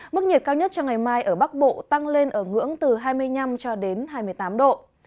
mức nhiệt cao nhất cho ngày mai ở bắc bộ tăng lên ở ngưỡng từ hai mươi năm cho đến hai mươi tám độ